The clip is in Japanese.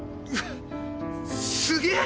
すげえ！